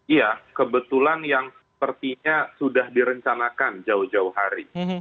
iya kebetulan yang sepertinya sudah direncanakan jauh jauh hari